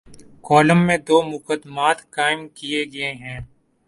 Column میں دومقدمات قائم کیے گئے ہیں۔